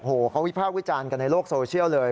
โอ้โหเขาวิพากษ์วิจารณ์กันในโลกโซเชียลเลย